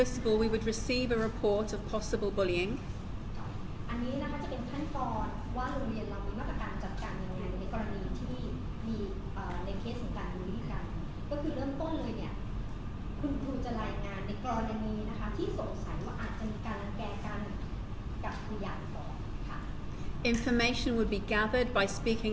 ถ้าหลังจากการสอบสูญแล้วมันเป็นกรณีที่หลังแก่แบบจริง